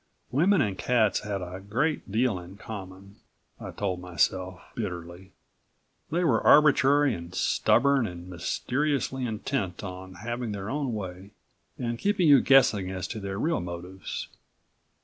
Women and cats had a great deal in common, I told myself bitterly. They were arbitrary and stubborn and mysteriously intent on having their own way and keeping you guessing as to their real motives.